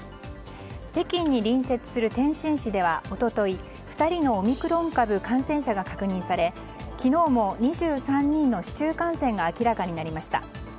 北京に隣接する天津市では一昨日２人のオミクロン株感染者が確認され昨日も２３人の市中感染が明らかになりました。